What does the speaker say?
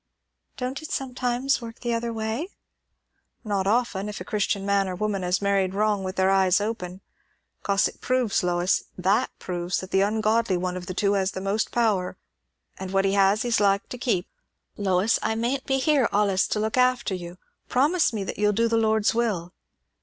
'" "Don't it sometimes work the other way?" "Not often, if a Christian man or woman has married wrong with their eyes open. Cos it proves, Lois, that proves, that the ungodly one of the two has the most power; and what he has he's like to keep. Lois, I mayn't be here allays to look after you; promise me that you'll do the Lord's will."